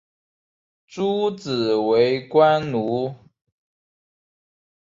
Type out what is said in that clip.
诸子为官奴。